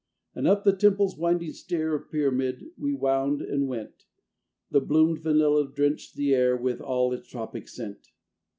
And up the temple's winding stair Of pyramid we wound and went: The bloomed vanilla drenched the air With all its tropic scent.